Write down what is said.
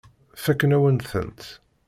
Fakken-awen-tent.